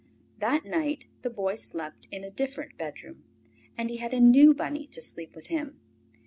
That night the Boy slept in a different bedroom, and he had a new bunny to sleep with him.